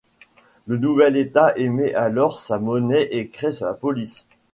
Le nouvel État émet alors sa monnaie et crée sa police.